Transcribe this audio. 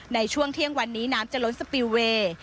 ในช่วงเที่ยงวันนี้น้ำจะล้นสปิลเวย์